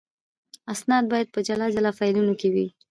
اسناد باید په جلا جلا فایلونو کې وي.